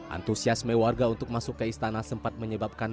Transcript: antusiasme warga untuk masuk ke istana sempat menyebabkan